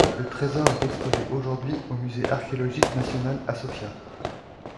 Le trésor est exposé, aujourd'hui, au Musée archéologique national à Sofia.